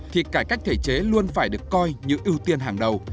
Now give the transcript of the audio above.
thì cải cách thể chế luôn phải được coi như ưu tiên hàng đầu